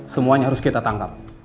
semuanya harus kita tangkap